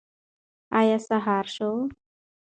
ایا سهار شو؟